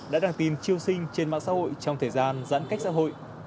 đã đăng tin triêu sinh trên mạng xã hội trong thời gian giãn cách xã hội